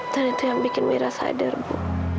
dan itu yang bikin mira sadar bu